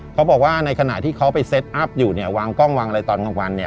เขาบอกว่าในขณะที่เขาไปเซตอัพอยู่เนี่ยวางกล้องวางอะไรตอนกลางวันเนี่ย